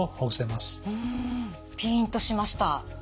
うんピンとしました。